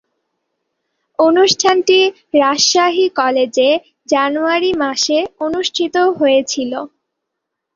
অনুষ্ঠানটি রাজশাহী কলেজে জানুয়ারি মাসে অনুষ্ঠিত হয়েছিলো।